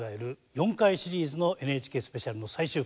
４回シリーズの「ＮＨＫスペシャル」の最終回。